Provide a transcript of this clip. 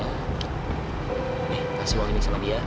nih kasih uang ini sama dia